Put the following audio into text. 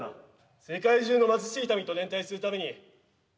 世界中の貧しい民と連帯するために旗印をあげる。